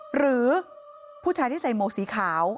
หรือผู้ชายที่ใส่หมวกสีขาว